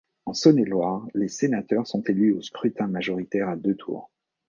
En Saône-et-Loire, les sénateurs sont élus au scrutin majoritaire à deux tours.